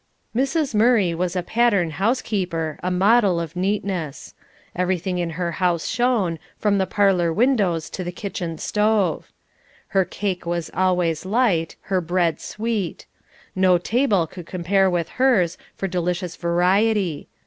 Mrs. Murray was a pattern housekeeper, a model of neatness. Everything in her house shone, from the parlour windows to the kitchen stove. Her cake was always light, her bread sweet. No table could compare with hers for delicious variety.